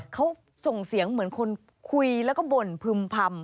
เขาส่งเสียงเหมือนคนคุยแล้วก็บ่นพึ่มพำ